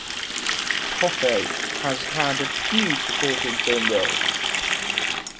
Coffey has had a few supporting film roles.